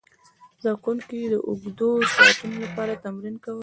زده کوونکي د اوږدو ساعتونو لپاره تمرین کول.